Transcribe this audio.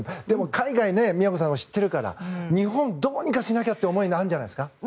でも海外、京さんも知ってるから日本、どうにかしなきゃという思いがあるんじゃないんですか。